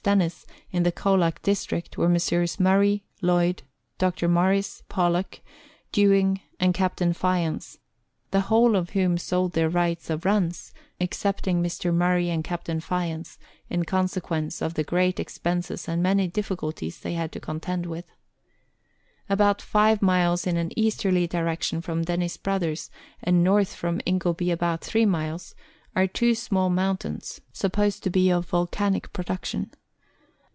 Dennis, in the Colac district, were Messrs. Murray, Lloyd, Dr. Morris, Pollock, Dewing, and Captain Fyans, the whole of whom sold their right of runs, excepting Mr. Murray and Captain Fyans, in consequence of the great expenses and many difficulties they had to contend with. About five miles in an easterly direction from Dennis Brothers, and north from Ingleby about three miles, are two small mountains, supposed to be of volcanic production.